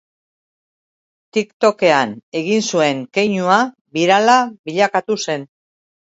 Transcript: Tiktokean egin zuen keinua birala bilakatu zen.